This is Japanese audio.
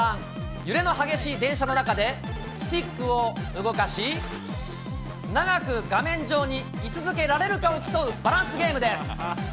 揺れの激しい電車の中で、スティックを動かし、長く画面上にい続けられるかを競うバランスゲームです。